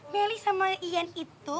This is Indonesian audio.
meli sama iyan itu